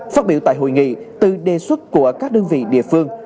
phát biểu tại hội nghị từ đề xuất của các đơn vị địa phương